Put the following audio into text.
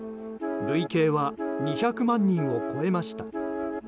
累計は２００万人を超えました。